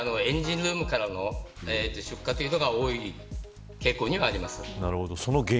出火原因としてはやはりエンジンルームからの出火というのが多い傾向にはあります。